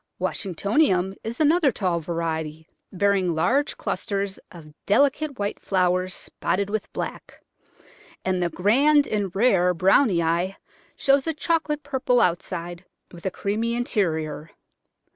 Washingtonianum is another tall variety bearing large clusters of delicate white flowers spotted with black, and the grand and rare Brownii shows a choco late purple outside with a creamy interior.